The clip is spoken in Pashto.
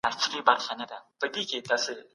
خلک به د سياسي قدرت لاسته راوړلو ته وهڅول سي.